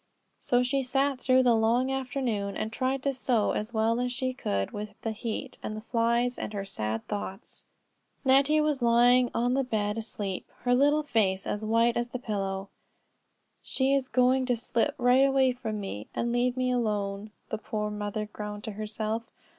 So she sat through the long afternoon and tried to sew as well as she could with the heat, and the flies, and her sad thoughts. Nettie was lying on the bed asleep, her little face as white as the pillow. "She is going to slip right away from me, and leave me alone," the poor mother groaned to herself.